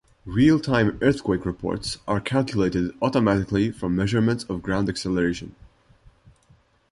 Real-time earthquake reports are calculated automatically from measurements of ground acceleration.